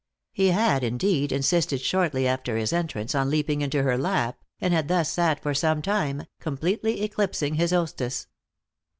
He had, indeed, insisted shortly after his entrance on leaping into her lap, and had thus sat for some time, completely eclipsing his hostess.